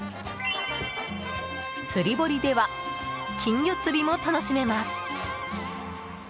釣り堀では金魚釣りも楽しめます。